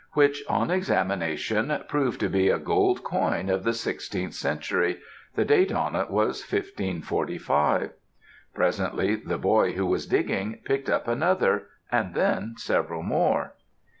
which, on examination, proved to be a gold coin of the sixteenth century, the date on it was 1545. Presently, the boy who was digging, picked up another, and then several more.